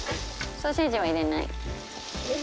ソーセージは入れない。